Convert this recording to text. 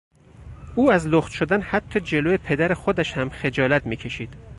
او از لخت شدن حتی جلو پدر خودش هم خجالت می کشید.